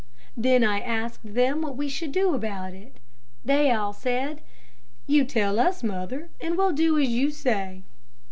Then I asked them what we should do about it. They all said, 'You tell us mother, and we'll do as you say.'